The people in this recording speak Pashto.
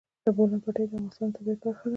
د بولان پټي د افغانستان د طبیعت برخه ده.